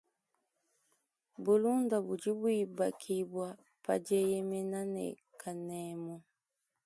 Bulunda budi buibakibua pa dieyemena ne kanemu.